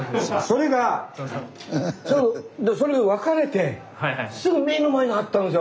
それがその別れてすぐ目の前にあったんですよ